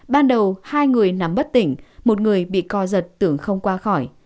ban đầu hai người nằm bất tỉnh một người bị co giật tưởng không qua khỏi